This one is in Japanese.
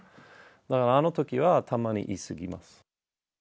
だから、あのときは、たまに言い過ぎます。